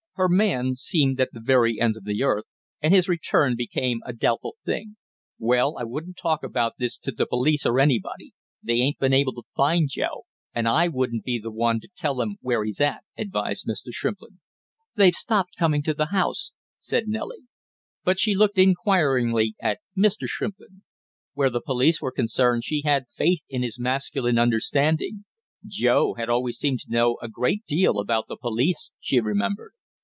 Her man seemed at the very ends of the earth, and his return became a doubtful thing. "Well, I wouldn't talk about this to the police or anybody; they ain't been able to find Joe, and I wouldn't be the one to tell them where he's at!" advised Mr. Shrimplin. "They've stopped coming to the house," said Nellie. But she looked inquiringly at Mr. Shrimplin. Where the police were concerned she had faith in his masculine understanding; Joe had always seemed to know a great deal about the police, she remembered.